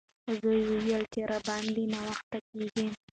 زوی یې وویل چې راباندې ناوخته کیږي.